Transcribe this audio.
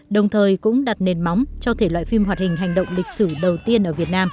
đồng thời cũng đặt nền móng cho thể loại phim hoạt hình hành động lịch sử đầu tiên ở việt nam